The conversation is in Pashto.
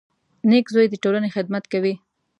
• نېک زوی د ټولنې خدمت کوي.